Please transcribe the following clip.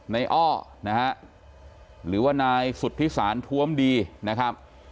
อ้อนะฮะหรือว่านายสุธิศาลท้วมดีนะครับ